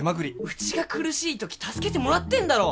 うちが苦しい時助けてもらってんだろ！